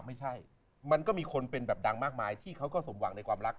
ไม่ใช่มันก็มีคนเป็นแบบดังมากมายที่เขาก็สมหวังในความรัก